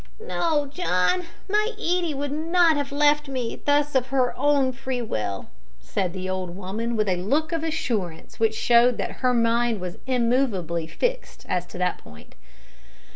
"No, John, my Edie would not have left me thus of her own free will," said the old woman, with a look of assurance which showed that her mind was immovably fixed as to that point.